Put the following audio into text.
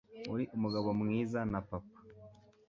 Uri umugabo mwiza na papa.